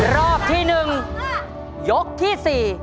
รอบที่๑ยกที่๔